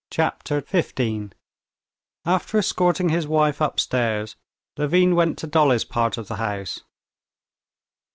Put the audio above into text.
Chapter 15 After escorting his wife upstairs, Levin went to Dolly's part of the house.